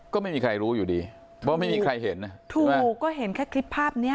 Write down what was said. ก็ไม่มีใครรู้อยู่ดีว่าไม่มีใครเห็นนะถูกก็เห็นแค่คลิปภาพเนี้ย